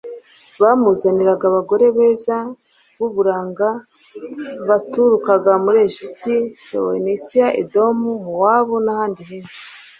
bamuzaniraga abagore beza b'uburanga baturukaga mu egiputa, fowenisiya, edomu, mowabu n'ahandi henshi